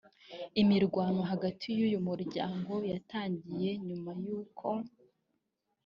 Imirwano hagati y’uyu muryango yatangiye nyuma y’uko